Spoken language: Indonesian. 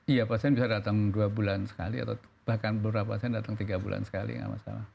iya pasien bisa datang dua bulan sekali atau bahkan beberapa pasien datang tiga bulan sekali nggak masalah